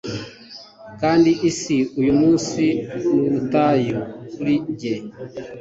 kandi isi uyumunsi nubutayu kuri njye ..